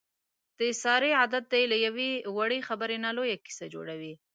د سارې عادت دی له یوې وړې خبرې نه لویه کیسه جوړوي.